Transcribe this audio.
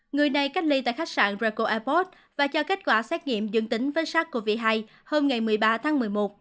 người này cách ly tại khách sạn reco ipod và cho kết quả xét nghiệm dương tính với sars cov hai hôm một mươi ba tháng một mươi một